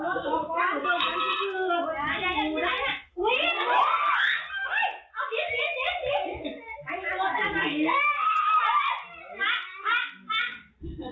เอาแล้วส่วนกล้าส่วนกล้าส่วนกล้าส่วนขึ้นขึ้นขึ้น